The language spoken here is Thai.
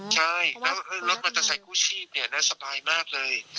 ใช่แล้วรถมาเตอร์ไซค์กู้ชีพเนี่ยน่าสบายมากเลย